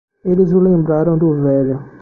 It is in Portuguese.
Eles o lembraram do velho.